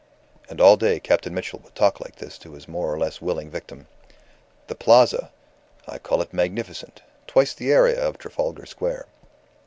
And all day Captain Mitchell would talk like this to his more or less willing victim "The Plaza. I call it magnificent. Twice the area of Trafalgar Square."